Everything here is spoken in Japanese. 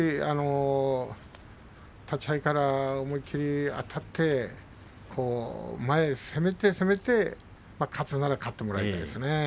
立ち合いから思い切ってあたって前へ攻めて攻めて、勝つなら勝ってもらいたいですね。